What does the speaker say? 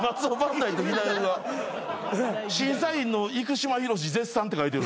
「審査員の生島ヒロシ絶賛」って書いてる。